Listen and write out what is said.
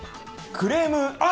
クレーム？